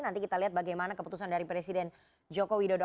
nanti kita lihat bagaimana keputusan dari presiden joko widodo